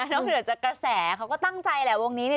นอกเหนือจะกระแสเขาก็ตั้งใจแหละวงนี้